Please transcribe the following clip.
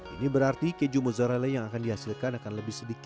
ini berarti keju mozzarella yang akan dihasilkan akan lebih sedikit